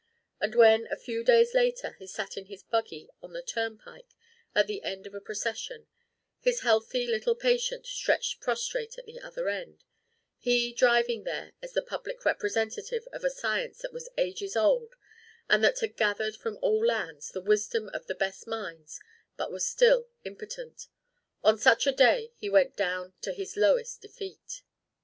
And when a few days later he sat in his buggy on the turnpike at the end of a procession his healthy little patient stretched prostrate at the other end he driving there as the public representative of a science that was ages old and that had gathered from all lands the wisdom of the best minds but was still impotent on such a day he went down to his lowest defeat.